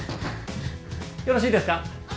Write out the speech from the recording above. よろしいですか？